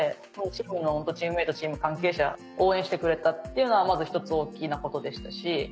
チームのチームメートチーム関係者応援してくれたっていうのはまず１つ大きなことでしたし。